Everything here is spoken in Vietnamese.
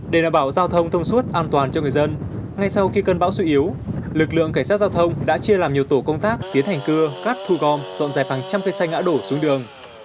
để đảm bảo giao thông thông suốt an toàn cho người dân ngay sau khi cơn bão suy yếu lực lượng cảnh sát giao thông đã chia làm nhiều tổ công tác tiến hành cưa cắt thu gom dọn dẹp hàng trăm cây xanh ngã đổ xuống đường